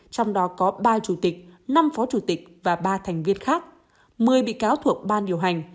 trong đó có ba chủ tịch năm phó chủ tịch và ba thành viên khác một mươi bị cáo thuộc ban điều hành